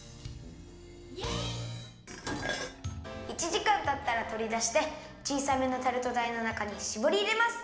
１じかんたったらとりだしてちいさめのタルトだいのなかにしぼりいれます。